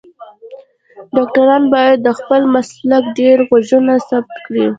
ډاکټران باید د خپل مسلک ډیر غږونه ثبت کړی